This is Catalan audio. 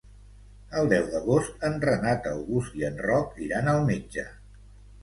El deu d'agost en Renat August i en Roc iran al metge.